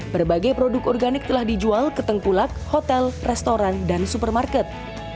berbagai produk organik telah dijual ke tengkulak hotel restoran dan supermarket